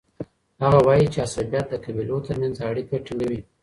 هغه وایي چي عصبيت د قبیلو ترمنځ اړیکه ټینګوي.